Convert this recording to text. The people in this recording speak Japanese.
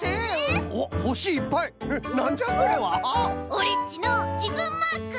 オレっちのじぶんマーク！